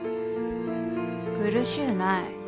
苦しうない。